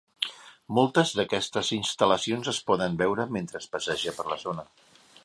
Moltes d'aquestes instal·lacions es poden veure mentre es passeja per la zona.